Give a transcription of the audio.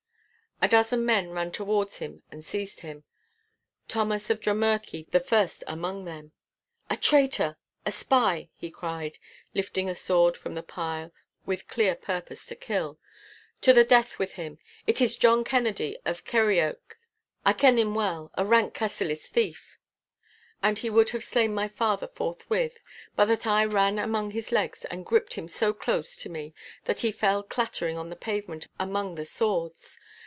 A dozen men ran towards him and seized him—Thomas of Drummurchie the first among them. 'A traitor! A spy!' he cried, lifting a sword from the pile with clear purpose to kill. 'To the death with him! It is John Kennedy of Kirrieoch—I ken him well, a rank Cassillis thief!' And he would have slain my father forthwith, but that I ran among his legs and gripped him so close to me that he fell clattering on the pavement among the swords.